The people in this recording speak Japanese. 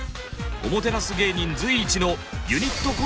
おもてなす芸人随一のトゥース！